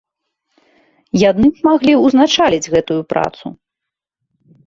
Яны б маглі ўзначаліць гэтую працу.